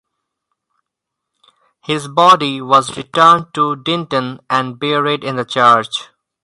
His body was returned to Dinton and buried in the church.